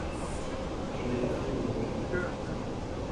Je n’ai pas fini de manger.